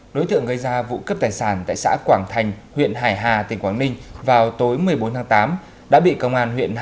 đối tượng gây ra vụ cấp tài sản tại xã quảng thành huyện hải hà tỉnh quảng ninh vào tối một mươi bốn tháng tám